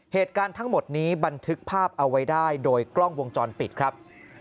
เหตุการณ์ทั้งหมดนี้บันทึกภาพเอาไว้ได้โดยกล้องวงจรปิดครับ